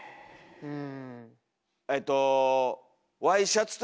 うん。